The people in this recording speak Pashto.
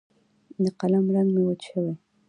د قلم رنګ مې وچ شوی